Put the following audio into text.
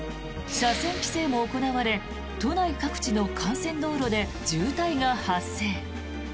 車線規制も行われ都内各地の幹線道路で渋滞が発生。